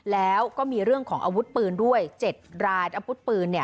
แล้วก็มีเรื่องของอาวุธปืนด้วย๗รายอาวุธปืน